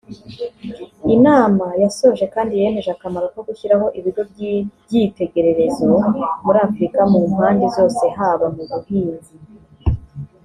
Inama yasoje kandi yemeje akamaro ko gushyiraho ibigo by’ibyitegererezo muri Afurika mu mpande zose haba mu buhinzi